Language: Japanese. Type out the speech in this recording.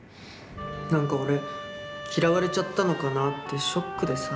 何か俺嫌われちゃったのかなってショックでさ。